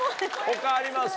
他あります？